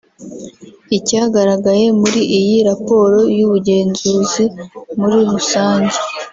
Icyagaragaye muri iyi raporo y’ubugenzuzi muri rusange